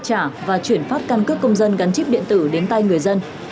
chả và truyền phát căn cước công dân gắn chip điện tử đến tay người dân